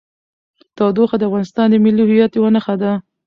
تودوخه د افغانستان د ملي هویت یوه نښه ده.